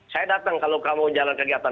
saya datang kalau kamu jalan kegiatan